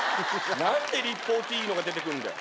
何で立方てぃのが出てくるんだよ。